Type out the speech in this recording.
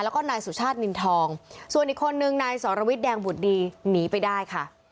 แล้วก็นายสุชาตินินทองส่วนอีกคนนึงนายสรวิทย์แดงบุตรดีหนีไปได้ค่ะ